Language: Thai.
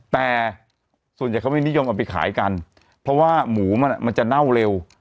แต่ส่วนใหญ่เขาไม่นิยมเอาไปขายกันเพราะว่าหมูมันมันจะเน่าเร็ว